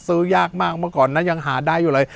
ซื้อยากมากเมื่อก่อนนั้นยังหาได้อยู่เลย